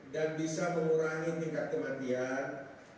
bisa mengurangi tingkat kematian